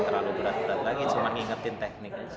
gak terlalu berat berat lagi cuma ngingetin teknik aja